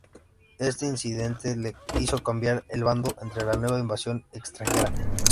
Este incidente le hizo cambiar de bando ante la nueva invasión extranjera.